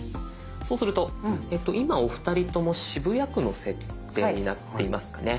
そうすると今お二人とも渋谷区の設定になっていますかね。